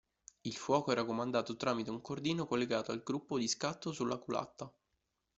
Il fuoco era comandato tramite un cordino collegato al gruppo di scatto sulla culatta.